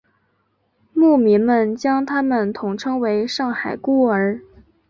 牧民们将他们统称为上海孤儿。